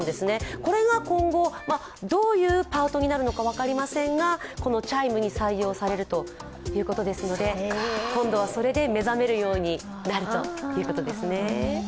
これが今後、どういうパートになるか分かりませんが、このチャイムに採用されるということですので、こんどはそれで目覚めるようになるということですね。